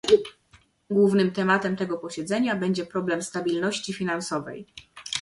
Głównym tematem tego posiedzenia będzie problem stabilności finansowej